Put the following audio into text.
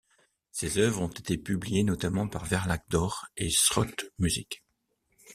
Ses œuvres ont été publiées notamment par Verlag Dohr et Schott Music.